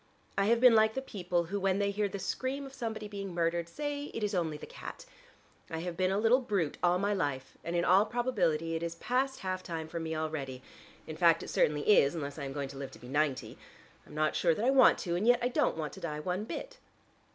I have been like the people who when they hear the scream of somebody being murdered say it is only the cat. I have been a little brute all my life, and in all probability it is past half time for me already; in fact it certainly is unless I am going to live to be ninety. I'm not sure that I want to, and yet I don't want to die one bit."